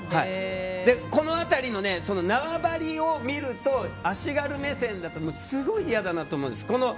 この辺りの縄張りを見ると足軽目線だとすごい嫌だなと思うんです。